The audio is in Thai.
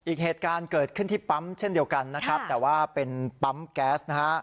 อีกเหตุการณ์เกิดขึ้นที่ปั๊มเช่นเดียวกันนะครับแต่ว่าเป็นปั๊มแก๊สนะฮะ